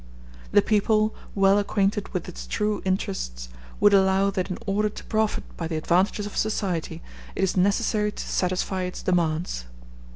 The people, well acquainted with its true interests, would allow that in order to profit by the advantages of society it is necessary to satisfy its demands.